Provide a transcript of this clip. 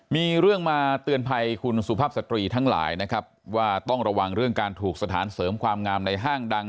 มีเรื่องมาเตือนภัยคุณสุภาพสตรีทั้งหลายนะครับว่าต้องระวังเรื่องการถูกสถานเสริมความงามในห้างดัง